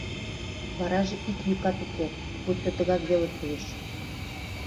Вараже ик йӱкат уке, пуйто тыгак веле кӱлеш.